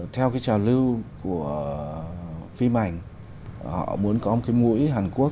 theo cái trào lưu của phim ảnh họ muốn có một cái mũi hàn quốc